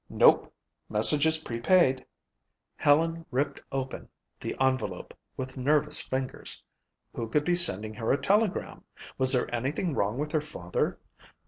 "Nope. Message is prepaid." Helen ripped open the envelope with nervous fingers. Who could be sending her a telegram? Was there anything wrong with her father?